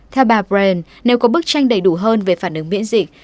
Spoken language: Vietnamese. theo bà bren nếu có bức tranh đầy đủ hơn về phản ứng miễn dịch